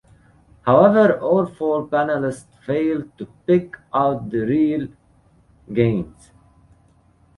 However, all four panelists failed to pick out the real Gaines.